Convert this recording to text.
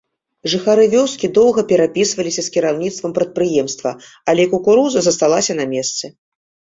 Жыхары вёскі доўга перапісваліся з кіраўніцтвам прадпрыемства, але кукуруза засталася на месцы.